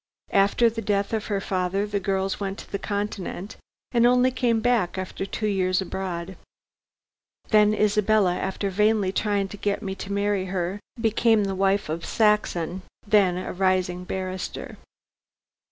After the death of the father the girls went to the Continent, and only came back after two years abroad. Then Isabella, after vainly trying to get me to marry her, became the wife of Saxon, then a rising barrister.